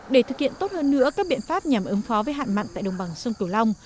để thực hiện tốt hơn nữa các biện pháp nhằm ứng phó với hạn mặn tại đồng bằng sông cửu long